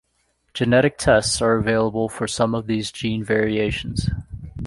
Genetic tests are available for some of these gene variations.